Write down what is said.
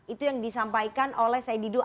itu yang disampaikan oleh said didu